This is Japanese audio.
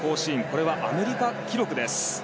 これはアメリカ記録です。